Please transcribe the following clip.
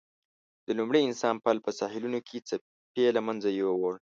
د لومړي انسان پل په ساحلونو کې څپې له منځه یووړ.